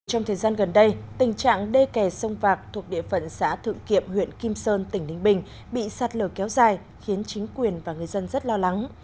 trong thời gian gần đây tình trạng đê kè sông vạc thuộc địa phận xã thượng kiệm huyện kim sơn tỉnh ninh bình bị sạt lở kéo dài khiến chính quyền và người dân rất lo lắng